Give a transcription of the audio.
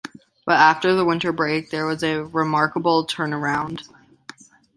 But after the winter break, there was a remarkable turnaround.